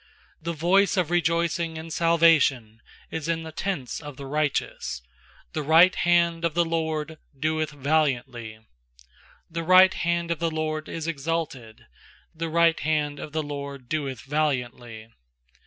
15The voice of rejoicing and salvation is in the tents of the righteous; The right hand of the LORD doeth valiantly. 16The right hand of the LORD is exalted; The right hand of the LORD doeth valiantly.